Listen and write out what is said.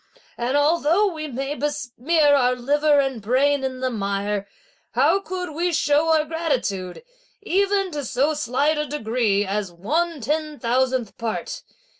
And although we may besmear our liver and brain in the mire, how could we show our gratitude, even to so slight a degree as one ten thousandth part.